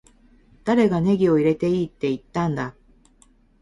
誰がネギを入れていいって言ったんだ